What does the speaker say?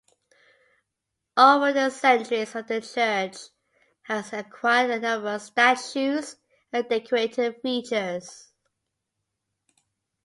Over the centuries the church has acquired numerous statues and decorative features.